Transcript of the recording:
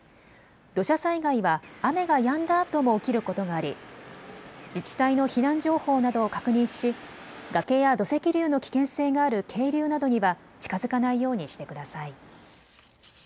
土砂災害は雨がやんだあとも起きることがあり自治体の避難情報などを確認し崖や土石流の危険性がある渓流などには近づかないようにしてください。